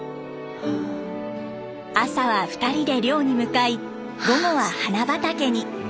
朝は２人で漁に向かい午後は花畑に。